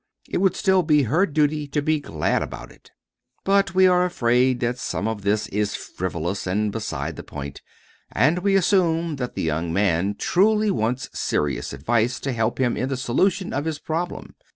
It would still be her duty to be glad about it. But we are afraid that some of this is frivolous and beside the point, and we assume that the young man truly wants serious advice to help him in the solution of his problem.